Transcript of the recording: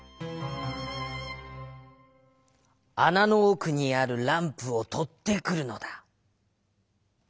「あなのおくにあるランプをとってくるのだ」。